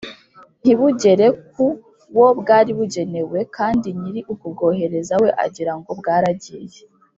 ntibugere ku wo bwari bugenewe kandi nyiri ukubwohereza we agira ngo bwaragiye